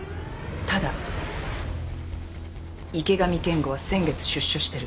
ただ池上健吾は先月出所してる。